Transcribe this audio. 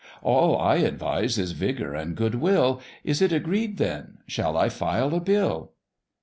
All I advise is vigour and good will: Is it agreed then Shall I file a bill?"